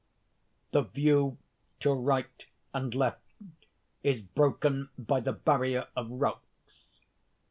_ _The view to right and left is broken by the barrier of rocks.